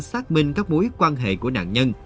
xác minh các mối quan hệ của nạn nhân